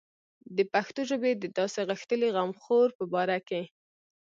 د پښتو ژبې د داسې غښتلي غمخور په باره کې.